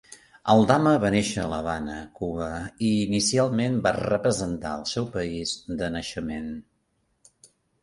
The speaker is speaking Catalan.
Aldama va néixer a l'Havana, Cuba, i inicialment va representar el seu país de naixement.